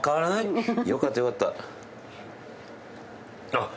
あっ！